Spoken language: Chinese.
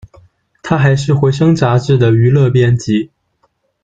她还是《回声》杂志的娱乐编辑。